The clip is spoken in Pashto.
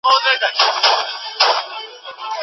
تاسو باید په خپله ټولنه کې د پوهې ډېوه بل کړئ.